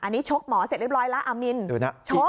อันนี้ชกหมอเสร็จเรียบร้อยแล้วอามินชก